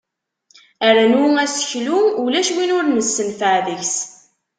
Arnu aseklu ulac win ur nessenfeɛ deg-s.